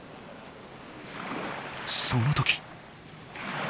その時。